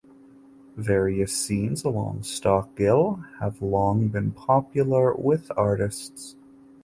Various scenes along Stock Ghyll have long been popular with artists.